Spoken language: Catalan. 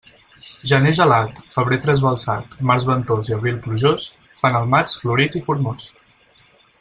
Gener gelat, febrer trasbalsat, març ventós i abril plujós, fan el maig florit i formós.